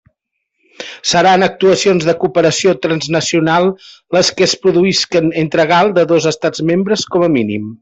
Seran actuacions de cooperació transnacional les que es produïsquen entre GAL de dos estats membres, com a mínim.